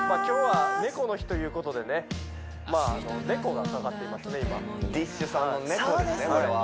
今日はネコの日ということでねまああの「猫」がかかっていますね